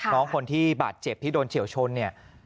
คนที่บาดเจ็บที่โดนเฉียวชนเนี่ย